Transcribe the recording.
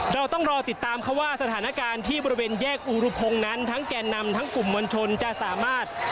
เราต้องรอติดตามเขาว่าสถานการณ์ที่บริเวณแยกอุรุพงศ์นั้นทั้งแก่นำทั้งกลุ่มมวลชนจะสามารถ